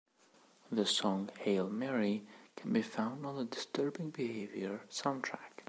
The song "Hail Mary" can be found on the "Disturbing Behavior" soundtrack.